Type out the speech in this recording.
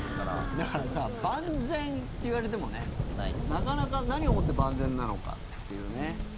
だからさ万全って言われてもねなかなか何をもって万全なのかというね。